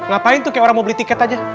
ngapain tuh kayak orang mau beli tiket aja